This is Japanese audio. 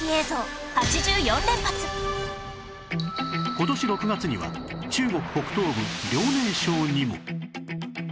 今年６月には中国北東部遼寧省にも